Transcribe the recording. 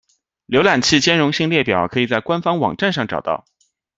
浏览器兼容性列表可以在官方网站上找到。